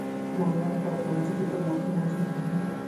رومیان په پخلنځي کې تل موجود وي